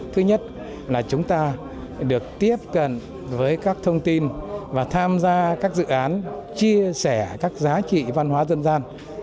thứ nhất là chúng ta được tiếp cận với các thông tin và tham gia các dự án chia sẻ các giá trị văn hóa dân gian